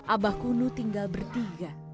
abah kunu tinggal bertiga